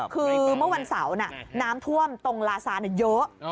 คือเมื่อวันเสาร์น้ำท่วมตรงลาซานเยอะ